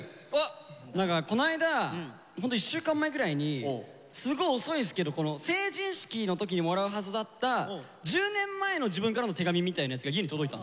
何かこないだホント１週間前ぐらいにすごい遅いんすけど成人式の時にもらうはずだった１０年前の自分からの手紙みたいなやつが家に届いたんすよ。